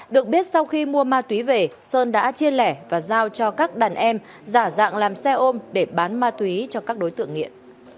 được biết sau khi mua ma túy về sơn đã chia lẻ và giao cho các đàn em giả dạng làm xe ôm để bán ma túy cho các đối tượng nghiện